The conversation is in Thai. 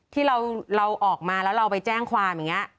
ที่เราออกมาแล้วเราไปแจ้งความอย่างนี้